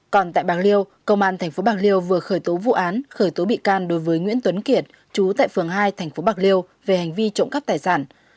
còn tại bạc liêu công an tp bạc liêu vừa khởi tố vụ án khởi tố bị can đối với nguyễn tuấn kiệt chú tại phường hai tp bạc liêu về hành vi trộm cắp tài sản